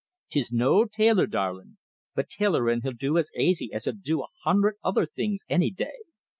'Tis no tailor, darlin', but tailorin' he'll do as aisy as he'll do a hunderd other things anny day.